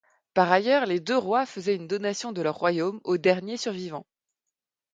Par ailleurs les deux rois faisaient une donation de leurs royaumes au dernier survivant.